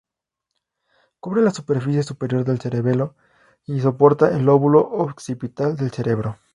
Cubre la superficie superior del cerebelo y soporta el lóbulo occipital del cerebro.